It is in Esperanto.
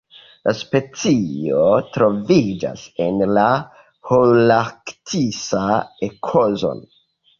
La specio troviĝas en la holarktisa ekozono.